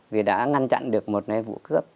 vì đã ngăn chặn được một vụ cướp